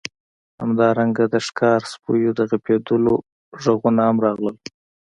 همدارنګه د ښکاري سپیو د غپیدلو غږونه هم راغلل